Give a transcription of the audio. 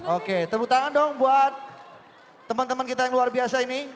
oke tepuk tangan dong buat teman teman kita yang luar biasa ini